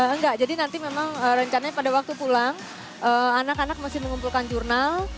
enggak jadi nanti memang rencananya pada waktu pulang anak anak masih mengumpulkan jurnal